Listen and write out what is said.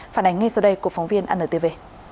phản ánh ngay sau đây của phóng viên anntv